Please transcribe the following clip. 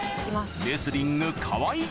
レスリング川井